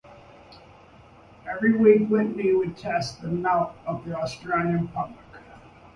Every week Whitney would test the mettle of the Australian public.